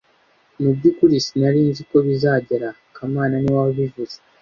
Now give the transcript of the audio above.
Mubyukuri, sinari nzi ko bizagera aha kamana niwe wabivuze